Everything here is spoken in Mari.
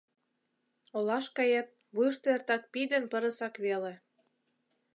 Олаш кает — вуйышто эртак пий ден пырысак веле.